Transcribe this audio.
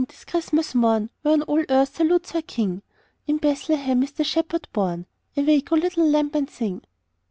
'tis Christmas morn, Whereon all earth salutes her King! In Bethlehem is the Shepherd born. Awake, O little lamb, and sing!"